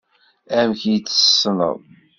Amek i tt-tessneḍ?